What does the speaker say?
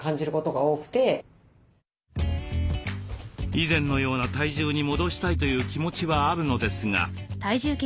以前のような体重に戻したいという気持ちはあるのですが。